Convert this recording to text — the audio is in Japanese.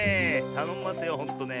たのんますよほんとねえ。